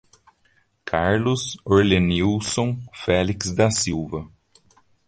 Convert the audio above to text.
Carlos Orlenilson Felix da Silva